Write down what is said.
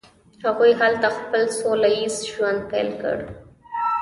هغوی هلته خپل سوله ایز ژوند پیل کړ.